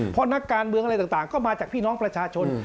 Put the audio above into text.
เพราะนักการเมืองอะไรต่างก็มาจากพี่น้องประชาชน